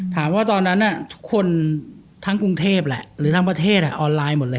ตอนนั้นทุกคนทั้งกรุงเทพแหละหรือทั้งประเทศออนไลน์หมดเลย